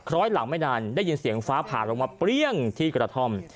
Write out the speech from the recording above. ร้อยหลังไม่นานได้ยินเสียงฟ้าผ่าลงมาเปรี้ยงที่กระท่อม